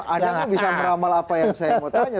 ada yang bisa meramal apa yang saya mau tanya